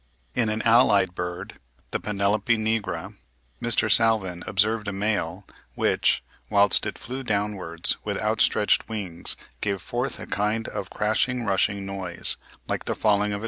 In an allied bird, the Penelope nigra, Mr. Salvin observed a male, which, whilst it flew downwards "with outstretched wings, gave forth a kind of crashing rushing noise," like the falling of a tree.